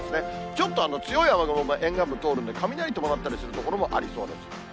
ちょっと強い雨雲も沿岸部、通るんで、雷伴ったりする所もありそうです。